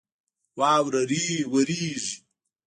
واوره رېږي.